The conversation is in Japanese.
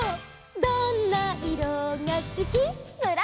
「どんないろがすき」「」